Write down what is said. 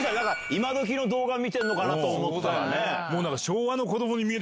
今どきの動画見てるのかなと思ったらね。